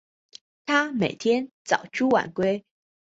他每天早出晚归